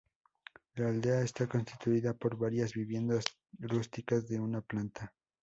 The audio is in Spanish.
La aldea está constituida por varias viviendas rústicas de una planta.